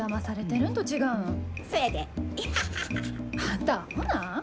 あんたあほなん。